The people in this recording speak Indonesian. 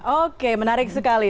oke menarik sekali